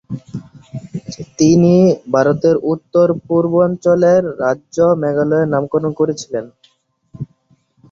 তিনি ভারতের উত্তর পূর্বাঞ্চলের রাজ্য মেঘালয়ের নামকরণ করেছিলেন।